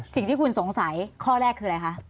สิ่งที่คุณสงสัยข้อแรกคืออะไรคะ